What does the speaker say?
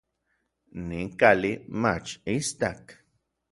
Nin kali mach istak.